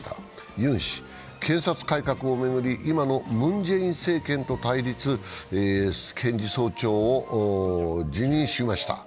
ユン氏、検察改革を巡り、今のムン・ジェイン政権と対立、検事総長を辞任しました。